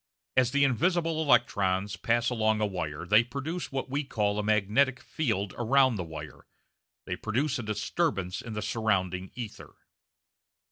As the invisible electrons pass along a wire they produce what we call a magnetic field around the wire, they produce a disturbance in the surrounding ether.